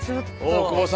大久保さん。